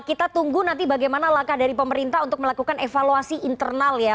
kita tunggu nanti bagaimana langkah dari pemerintah untuk melakukan evaluasi internal ya